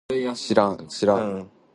しらん